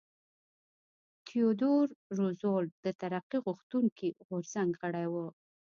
تیودور روزولټ د ترقي غوښتونکي غورځنګ غړی و.